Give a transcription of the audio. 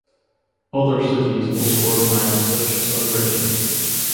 Other cities also organize such celebrations.